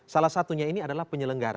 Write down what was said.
salah satunya ini adalah penyelenggara